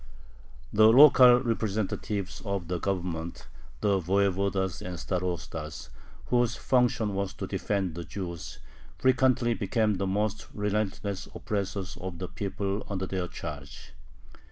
The local representatives of the Government, the voyevodas and starostas, whose function was to defend the Jews, frequently became the most relentless oppressors of the people under their charge.